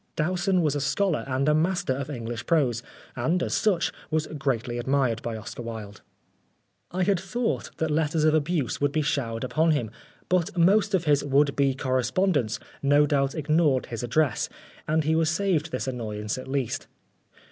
Dowson was a scholar and a master of English prose, and, as such, was greatly admired by Oscar Wilde. I had thought that letters of abuse would be showered upon him, but most of his would be correspondents no doubt ignored his address, and he was saved this annoyance at least.